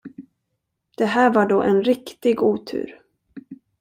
Det här var då en riktig otur.